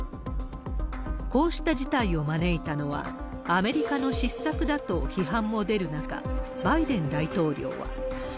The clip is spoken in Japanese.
こうした事態を招いたのは、アメリカの失策だと批判も出る中、バイデン大統領は。